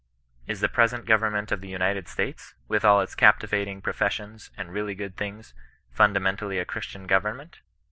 Is the present government of the United States, with all its captivating professions, and really good things, fundamentally a Christian government?